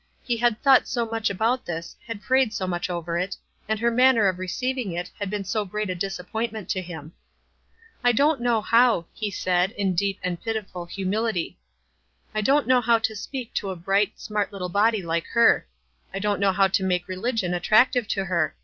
He had thought so much about this, had prayed so much over it, and her manner of receiving it had been so great a disappointment to him. " I don't know how," he said, in deep and pit iful humility. " I don't know how to speak to a bright, smart little body like her. I don't know how to make religion attractive to her.